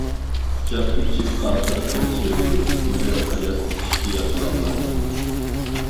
قۇچاق ئېچىپ ئاخىرقى سۆيگۈ، گۈزەل ھايات ئىشتىياق سالغان.